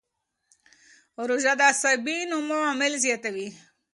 روژه د عصبي نمو عوامل زیاتوي.